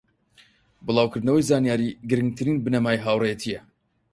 بڵاوکردنەوەی زانیاری گرنگترین بنەمای هاوڕێیەتیە